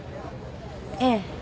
ええ。